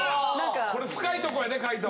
これ深いとこやね海人。